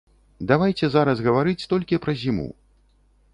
Давайце зараз гаварыць толькі пра зіму.